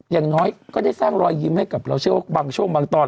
อย่างน้อยก็ได้สร้างรอยยิ้มให้กับเราเชื่อว่าบางช่วงบางตอน